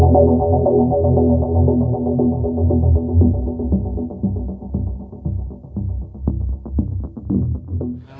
saya bukan kpu jadi nggak tahu saya ke kpu